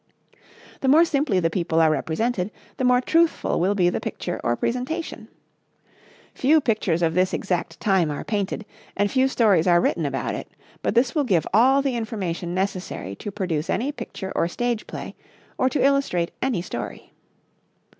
The more simply the people are represented, the more truthful will be the picture or presentation. Few pictures of this exact time are painted, and few stories are written about it, but this will give all the information necessary to produce any picture or stage play, or to illustrate any story.